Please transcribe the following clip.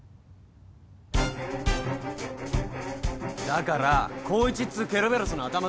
だから光一っつうケルベロスのアタマだよ。